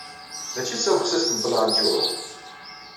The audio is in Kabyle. Mačči d tabexsist n Belɛejjuḍ!